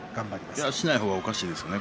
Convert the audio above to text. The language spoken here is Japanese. しない方がおかしいですね